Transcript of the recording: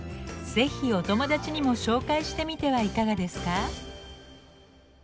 是非お友達にも紹介してみてはいかがですか？